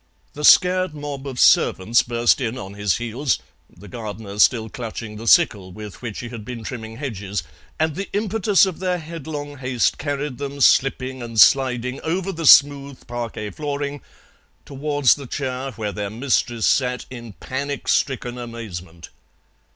The scared mob of servants burst in on his heels, the gardener still clutching the sickle with which he had been trimming hedges, and the impetus of their headlong haste carried them, slipping and sliding, over the smooth parquet flooring towards the chair where their mistress sat in panic stricken amazement.